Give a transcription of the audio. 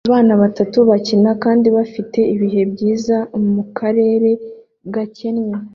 Abana batatu bakina kandi bafite ibihe byiza mukarere gakennye